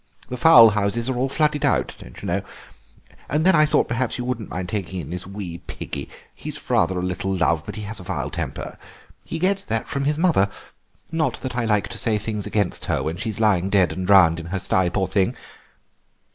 The fowl houses are all flooded out, you know. And then I thought perhaps you wouldn't mind taking in this wee piggie; he's rather a little love, but he has a vile temper. He gets that from his mother—not that I like to say things against her when she's lying dead and drowned in her stye, poor thing.